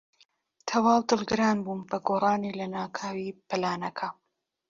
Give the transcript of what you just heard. تەواو دڵگران بووم بە گۆڕانی لەناکاوی پلانەکە.